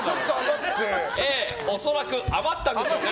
ええ恐らく余ったんでしょうね。